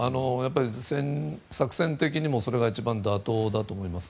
作戦的にもそれが一番妥当だと思います。